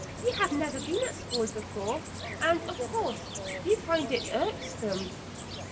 You have never been at school before, and of course you find it irksome."